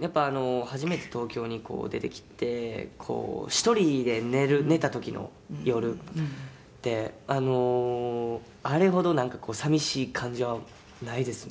やっぱ初めて東京に出てきて１人で寝た時の夜ってあのあれほどなんかこう寂しい感情はないですね」